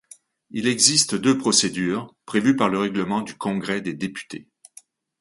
Il existe deux procédures, prévues par le règlement du Congrès des députés.